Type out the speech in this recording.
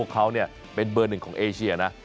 ก็เป็นเบอร์๑ของเอเชียนะ